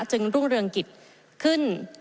รุ่งเรืองกิจขึ้น